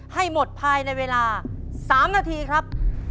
ให้หมดภายในเวลา๓นาทีครับ